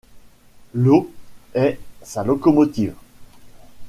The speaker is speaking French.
Lo est sa locomotive.